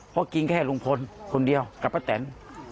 เพราะกินแค่ลุงพลคนเดียวกับป้าแตน